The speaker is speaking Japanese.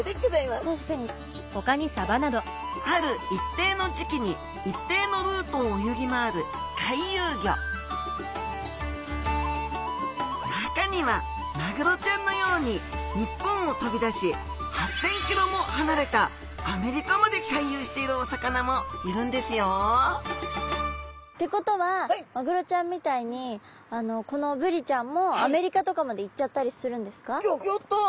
ある一定の時期に一定のルートを泳ぎ回る回遊魚中にはマグロちゃんのように日本を飛び出し８０００キロも離れたアメリカまで回遊しているお魚もいるんですよってことはマグロちゃんみたいにこのブリちゃんもギョギョッと！